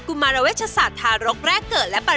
กุมาโลเวชศาสตร์ทารกแรกเกิดและปริศแก่